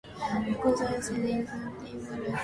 Because I say exactly what I think.